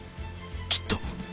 きっと。